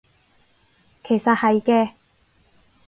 其實係嘅